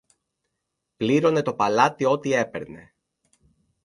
πλήρωνε το παλάτι ό,τι έπαιρνε.